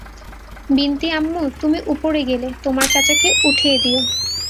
বিন্তি আম্মু, তুমি ঊপরে গেলে, তোমার চাচাকে উঠিয়ে দিও।